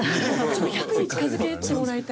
１００に近づけてもらいたい。